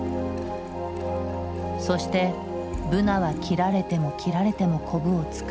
そしてブナは切られても切られてもコブを作り生き続けた。